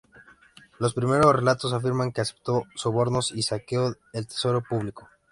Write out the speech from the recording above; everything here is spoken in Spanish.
Los primeros relatos afirman que aceptó sobornos y saqueó el tesoro público.